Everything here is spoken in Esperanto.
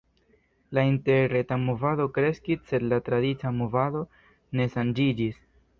La interreta movado kreskis, sed la tradica movado ne ŝanĝiĝis.